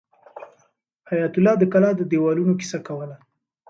حیات الله د کلا د دیوالونو کیسه کوله.